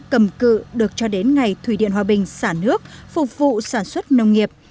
cầm cự được cho đến ngày thủy điện hòa bình xả nước phục vụ sản xuất nông nghiệp